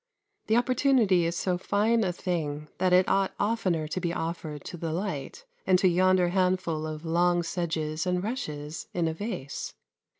The opportunity is so fine a thing that it ought oftener to be offered to the light and to yonder handful of long sedges and rushes in a vase.